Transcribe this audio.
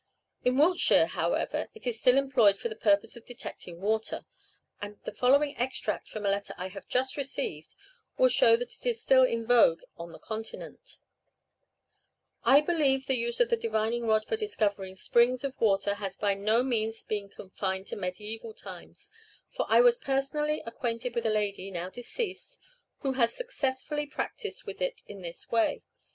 In Wiltshire, however, it is still employed for the purpose of detecting water; and the following extract from a letter I have just received will show that it is still in vogue on the Continent: "I believe the use of the divining rod for discovering springs of water has by no means been confined to mediæval times; for I was personally acquainted with a lady, now deceased, who has successfully practised with it in this way.